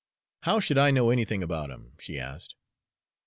"How should I know anything about 'em?" she asked.